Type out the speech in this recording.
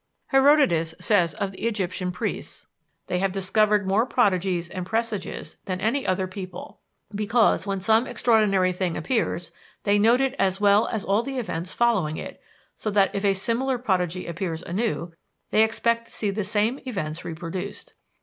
Herodotus says of the Egyptian priests: "They have discovered more prodigies and presages than any other people, because, when some extraordinary thing appears, they note it as well as all the events following it, so that if a similar prodigy appears anew, they expect to see the same events reproduced."